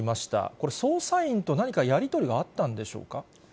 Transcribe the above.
これ、捜査員と何かやり取りがあったんでしょうか。